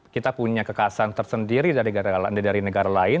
kita punya kekasan tersendiri dari negara lain